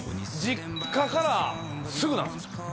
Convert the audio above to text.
実家からすぐなんですよ